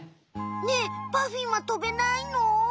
ねえパフィンは飛べないの？